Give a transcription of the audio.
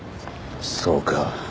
そうか。